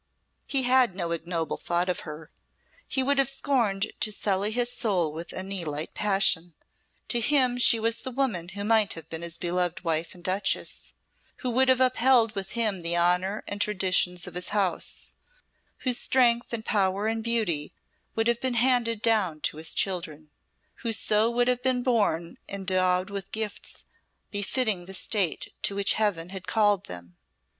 He had no ignoble thought of her, he would have scorned to sully his soul with any light passion; to him she was the woman who might have been his beloved wife and duchess, who would have upheld with him the honour and traditions of his house, whose strength and power and beauty would have been handed down to his children, who so would have been born endowed with gifts befitting the state to which Heaven had called them.